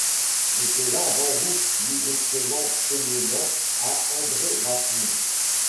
J’étais là avant vous, dit brusquement Penellan à André Vasling.